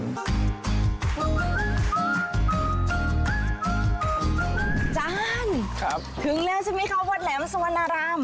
จ้านถึงแล้วใช่ไหมคะวัดแหลมสวนราม